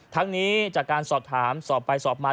ทั้งนี้จากการสอบถามสอบไปสอบมา